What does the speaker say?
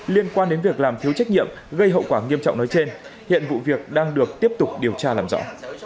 liên quan đến việc làm thiếu trách nhiệm gây hậu quả nghiêm trọng nói trên hiện vụ việc đang được tiếp tục điều tra làm rõ